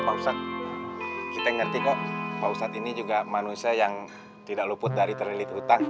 pak ustadz kita ngerti kok pak ustadz ini juga manusia yang tidak luput dari terlilit hutang